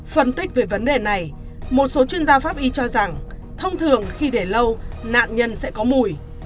phân tích về vấn đề này một số chuyên gia pháp y cho rằng thông thường khi để lâu nạn nhân sẽ có mùi